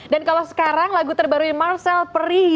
dan kalau sekarang lagu terbarunya marsha perih ya